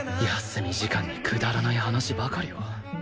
休み時間にくだらない話ばかりを